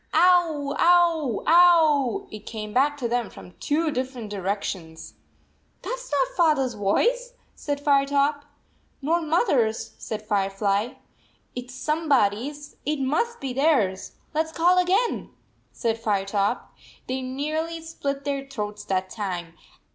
" Ovv, ow, ow." It came back to them from two different directions. "That s not Father s voice," said Fire top. "Nor Mothers," said Firefly. "It s somebody s. It must be theirs. Let s call again," said Firetop. They nearly split their throats that time.